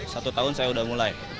satu tahun saya sudah mulai